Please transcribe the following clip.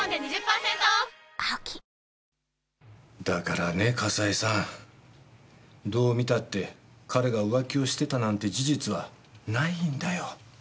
だからね笠井さんどう見たって彼が浮気をしてたなんて事実はないんだよ。